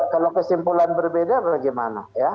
kalau kesimpulan berbeda bagaimana ya